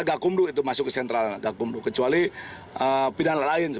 tapi kan bawaslu sudah dilipat ke polisi